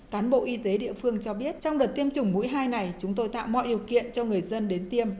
cán bộ y tế địa phương cho biết trong đợt tiêm chủng mũi hai này chúng tôi tạo mọi điều kiện cho người dân đến tiêm